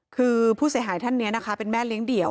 คือผู้เสียหายท่านนี้นะคะเป็นแม่เลี้ยงเดี่ยว